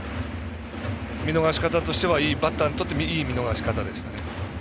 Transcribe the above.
見逃し方としてはバッターとしては、いい見逃し方ですね。